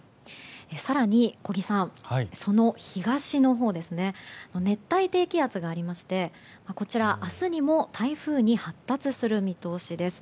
更に、小木さんその東のほう熱帯低気圧がありましてこちら、明日にも台風に発達する見通しです。